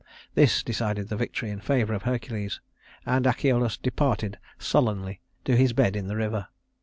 This decided the victory in favor of Hercules, and Achelous departed sullenly to his bed in the river.